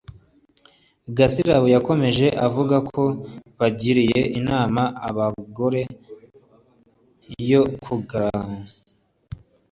Gasirabo yakomeje avuga ko bagiriye inama aba bagore yo kurangwa n’imyitwarire myiza ngo kuri ubu urugomo rwaragabanutse